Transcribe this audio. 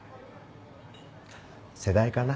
世代かな。